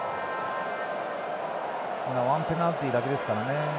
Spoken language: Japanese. １ペナルティーだけですからね。